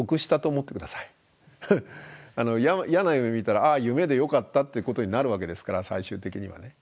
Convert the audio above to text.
嫌な夢見たら「ああ夢でよかった」ってことになるわけですから最終的にはね。